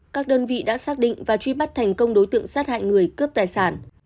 các đơn vị đã xác định và truy bắt thành công đối tượng sát hại người cướp tài sản